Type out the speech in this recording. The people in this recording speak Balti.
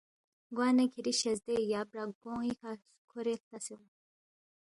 گوانہ کِھری شزدے یا برَق گون٘ی کھہ کھورے ہلتسے اونگ